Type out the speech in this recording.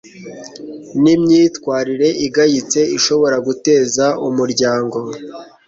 n'imyitwarire igayitse ishobora guteza umuryango